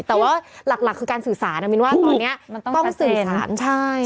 แต่ว่าหลักคือการสื่อสารอันนี้มินว่าต้องสื่อสาร